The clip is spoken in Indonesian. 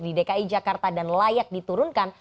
di dki jakarta dan layak diturunkan